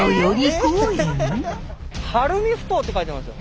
晴海埠頭って書いてますよ。